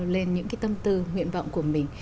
lên những cái tâm tư nguyện vọng của mình